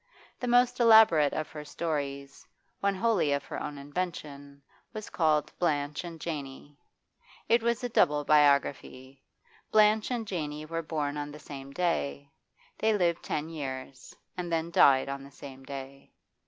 The most elaborate of her stories, one wholly of her own invention, was called 'Blanche and Janey.' It was a double biography. Blanche and Janey were born on the same day, they lived ten years, and then died on the same day.